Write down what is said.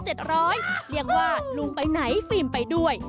เรียกว่าลุงไปไหนฟิล์มไปด้วย